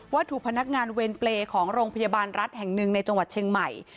ถูกพนักงานเวรเปรย์ของโรงพยาบาลรัฐแห่งหนึ่งในจังหวัดเชียงใหม่